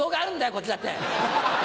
こっちだって。